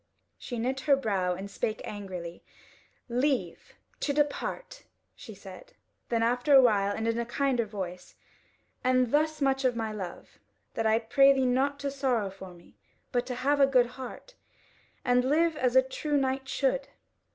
She knit her brow and spake angrily: "Leave to depart," she said. Then after a while, and in a kinder voice: "And thus much of my love, that I pray thee not to sorrow for me, but to have a good heart, and live as a true knight should."